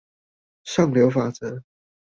上流法則